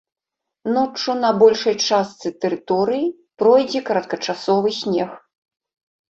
Ноччу на большай частцы тэрыторыі пройдзе кароткачасовы снег.